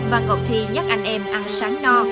và ngọc thi nhắc anh em ăn sáng no